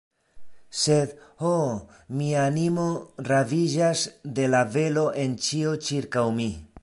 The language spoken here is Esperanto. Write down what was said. Sed, ho, mia animo raviĝas de la belo en ĉio ĉirkaŭ mi.